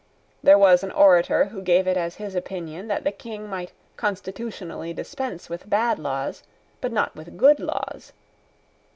There was an orator who gave it as his opinion that the King might constitutionally dispense with bad laws, but not with good laws.